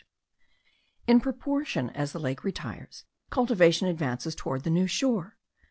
In proportion as the lake retires, cultivation advances towards the new shore.